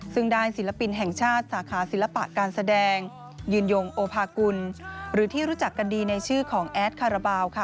ซึ่งได้ศิลปินแห่งชาติสาขาศิลปะการแสดงยืนยงโอภากุลหรือที่รู้จักกันดีในชื่อของแอดคาราบาลค่ะ